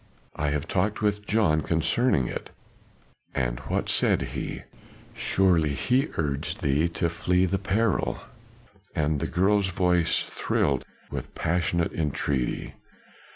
"I have talked with John concerning it." "And what said he? Surely he urged thee to flee the peril?" And the girl's voice thrilled with passionate entreaty.